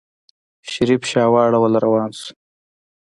شريف شا واړوله روان شو.